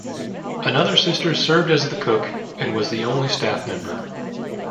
Another sister served as the cook and was the only staff member.